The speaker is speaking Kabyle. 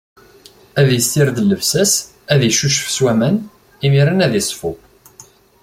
Ad issired llebsa-s, ad icucef s waman, imiren ad iṣfu.